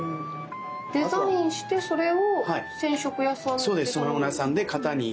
デザインしてそれを染色屋さんで頼む？